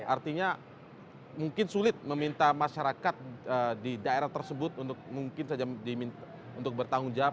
artinya mungkin sulit meminta masyarakat di daerah tersebut untuk bertanggung jawab